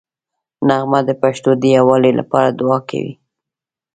نغمه د پښتنو د یووالي لپاره دوعا کوي